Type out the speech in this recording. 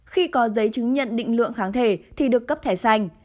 khi có giấy chứng nhận định lượng kháng thể thì được cấp thẻ xanh